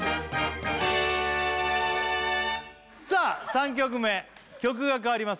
３曲目曲が変わります